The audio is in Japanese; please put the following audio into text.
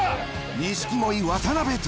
錦鯉渡辺と。